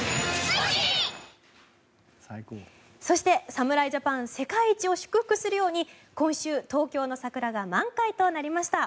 そして、侍ジャパン世界一を祝福するように今週、東京の桜が満開となりました。